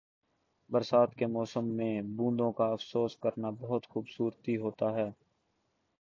برسات کے موسم میں بوندوں کا افسوس کرنا بہت خوبصورتی ہوتا ہے۔